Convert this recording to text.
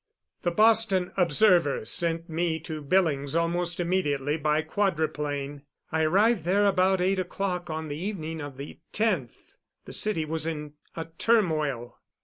The Boston Observer sent me to Billings almost immediately by quadruplane. I arrived there about eight o'clock on the evening of the 10th. The city was in a turmoil.